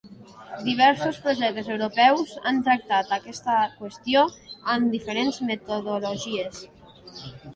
Diversos projectes europeus han tractat aquesta qüestió amb diferents metodologies.